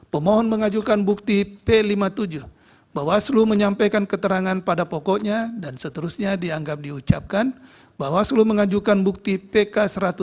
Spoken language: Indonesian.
pemohon mengajukan bukti p lima puluh tujuh bawaslu menyampaikan keterangan pada pokoknya dan seterusnya dianggap diucapkan bawaslu mengajukan bukti pk satu ratus tujuh puluh